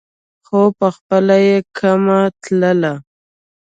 خو پخپله یې کمه تلي.